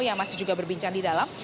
yang masih juga berbincang di dalam